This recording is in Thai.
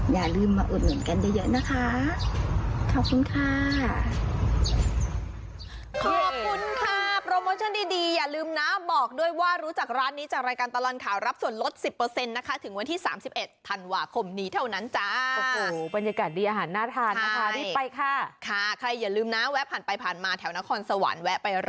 อย่าลืมมาอุดหนุนกันได้เยอะนะคะ